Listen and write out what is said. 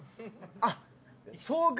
あっそうか。